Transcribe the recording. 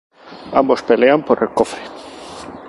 Ambos pelean por el cofre.